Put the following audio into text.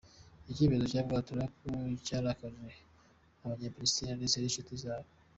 Icyemezo cya Bwana Trump cyarakaje abanya Palestine ndetse n'inshuti zabo.